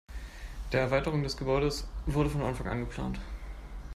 Der Erweiterung des Gebäudes wurde von Anfang an geplant.